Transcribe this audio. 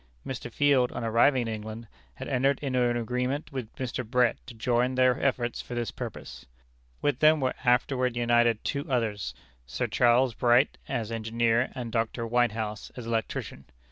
Mr. Field, on arriving in England, had entered into an agreement with Mr. Brett to join their efforts for this purpose. With them were afterward united two others Sir Charles Bright, as engineer, and Dr. Whitehouse, as electrician.